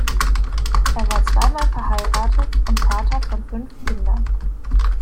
Er war zweimal verheiratet und Vater von fünf Kindern.